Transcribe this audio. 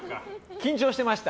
緊張していました